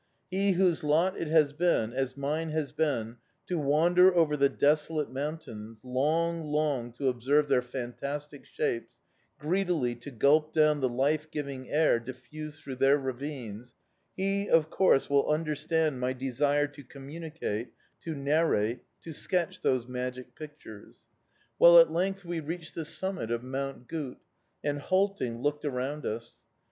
He whose lot it has been, as mine has been, to wander over the desolate mountains, long, long to observe their fantastic shapes, greedily to gulp down the life giving air diffused through their ravines he, of course, will understand my desire to communicate, to narrate, to sketch those magic pictures. Well, at length we reached the summit of Mount Gut and, halting, looked around us.